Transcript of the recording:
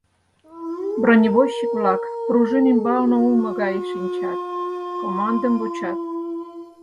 Бронебойщик-влак пружин ӱмбалне улмо гай шинчат, командым вучат.